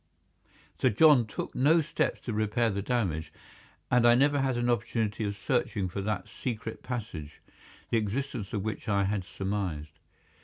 Sir John took no steps to repair the damage, and I never had an opportunity of searching for that secret passage, the existence of which I had surmised.